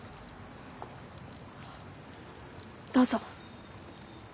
どうぞ。